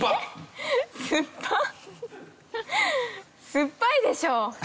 「酸っぱい」でしょう。